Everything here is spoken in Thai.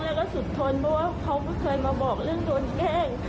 แล้วก็สุดทนเพราะว่าเขาไม่เคยมาบอกเรื่องโดนแกล้ง